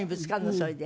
それで。